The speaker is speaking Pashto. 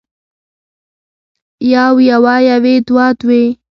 يو يوه يوې دوه دوې